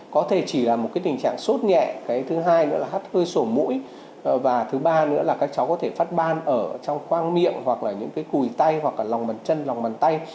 có thể chỉ là một tình trạng sốt nhẹ thứ hai nữa là hắt hơi sổ mũi và thứ ba nữa là các cháu có thể phát ban ở trong khoang miệng hoặc là những cùi tay hoặc là lòng bàn chân lòng bàn tay